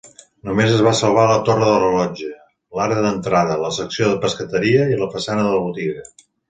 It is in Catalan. Només es va salvar la torre del rellotge, l'arc d'entrada, la secció de pescateria i la façana de la botiga.